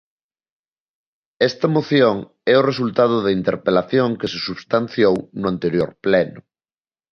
Esta moción é o resultado da interpelación que se substanciou no anterior pleno.